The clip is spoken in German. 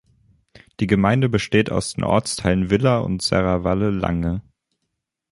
Die Gemeinde besteht aus den Ortsteilen Villa und Serravalle Langhe.